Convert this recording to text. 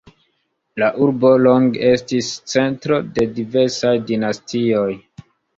La urbo longe estis centro de diversaj dinastioj.